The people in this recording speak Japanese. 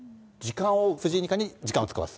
藤井二冠に時間を使わす。